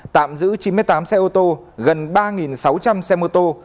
tạm giữ chín mươi tám xe ô tô gần ba sáu trăm linh xe mô tô